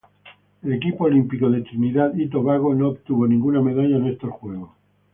El equipo olímpico de Trinidad y Tobago no obtuvo ninguna medalla en estos Juegos.